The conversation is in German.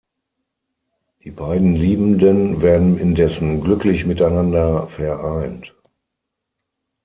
Die beiden Liebenden werden indessen glücklich miteinander vereint.